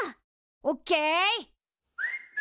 オッケイ。